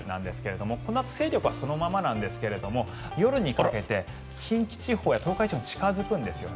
このあと勢力はそのままなんですが夜にかけて近畿地方や東海地方に近付くんですよね。